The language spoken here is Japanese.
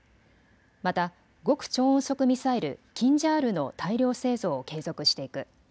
また極超音速ミサイルキンジャールの大量製造を継続していく。